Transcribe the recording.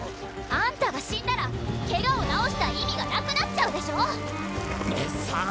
あんたが死んだらケガを治した意味がなくなっちゃうでしょさあ